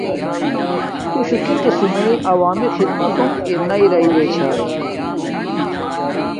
تو شوہ کی قسم میے عوامی خدمتونݣ ارناݵ راݵ رے چھاݵ۔